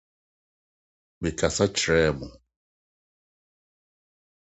Mekasa kyerɛɛ no